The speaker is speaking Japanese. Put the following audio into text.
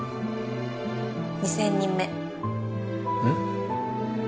２０００人目うん？